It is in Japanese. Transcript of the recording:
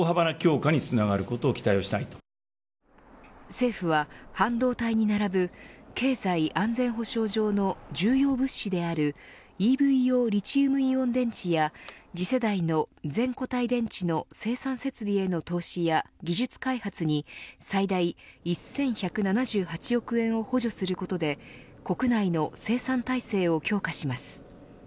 政府は半導体に並ぶ経済安全保障上の重要物資であるＥＶ用リチウムイオン電池や次世代の全固体電池の生産設備への投資や技術開発に最大１１７８億円を補助することで国内の生産体制を強化します。